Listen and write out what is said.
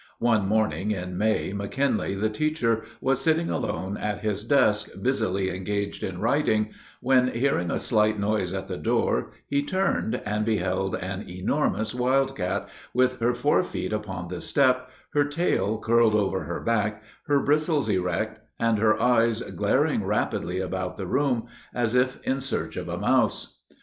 One morning, in May, McKinley, the teacher, was sitting alone at his desk, busily engaged in writing, when, hearing a slight noise at the door, he turned and beheld an enormous wildcat, with her fore feet upon the step, her tail curled over her back, her bristles erect, and her eyes glaring rapidly about the room, as if in search of a mouse.